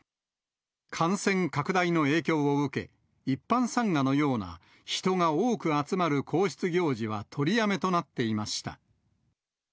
感染拡大の影響を受け、一般参賀のような人が多く集まる皇室行事は取りやめとなっていました。